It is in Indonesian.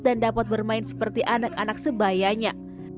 dan dapat bermain seperti anak anak sebayanya